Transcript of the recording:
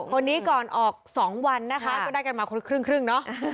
คนนี้ก่อนออก๒วันนะคะก็ได้กันมาคนละครึ่งเนาะ